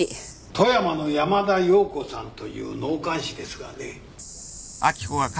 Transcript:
富山の山田洋子さんという納棺師ですがね。